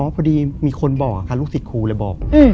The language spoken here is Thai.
พอดีมีคนบอกค่ะลูกศิษย์ครูเลยบอก